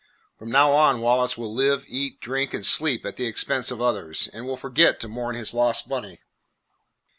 From now on Wallace will live, eat, drink, and sleep at the expense of others, and will forget to mourn his lost money.